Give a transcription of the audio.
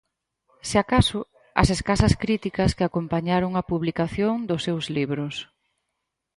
Se acaso, as escasas críticas que acompañaron a publicación dos seus libros.